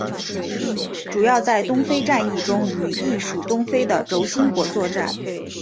主要在东非战役中与意属东非的轴心国作战。